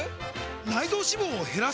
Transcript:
内臓脂肪を減らす！？